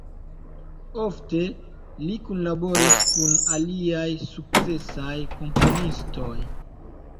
Ofte li kunlaboris kun aliaj sukcesaj komponistoj.